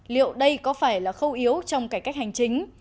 liệu đây có phải là khâu yếu trong cải cách hành chính